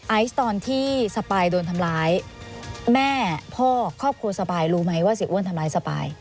ไอซ์ตอนที่สปายโดนทำร้ายแม่พ่อครอบครัวสปายรู้ไหมว่าเสียอ้วนทำร้ายสปาย